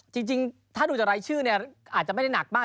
จริงถ้าดูจากรายชื่อเนี่ยอาจจะไม่ได้หนักมาก